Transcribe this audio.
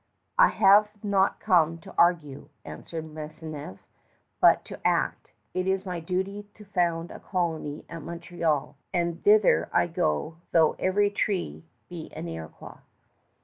"I have not come to argue," answered Maisonneuve, "but to act. It is my duty to found a colony at Montreal, and thither I go though every tree be an Iroquois."